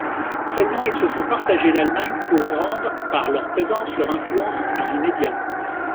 Seulement ils se sont partagés l'Allemagne pour rendre, par leur présence, leur influence plus immédiate.